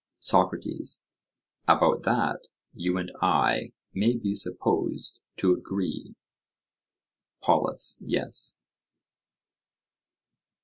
SOCRATES: About that you and I may be supposed to agree? POLUS: Yes.